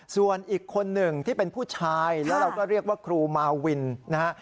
ส่วนอีกคนหนึ่งที่เป็นผู้ชายแล้วเราก็เรียกว่าครูมาวินนะฮะ